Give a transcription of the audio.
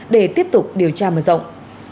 để tiếp tục điều tra mở rộng